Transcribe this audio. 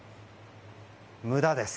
無駄です。